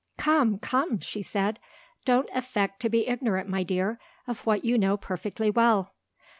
"Come! come!" she said. "Don't affect to be ignorant, my dear, of what you know perfectly well."